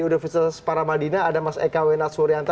universitas paramadina ada mas eka wenat suryanta